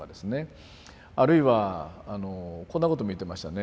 あるいはこんなことも言ってましたね。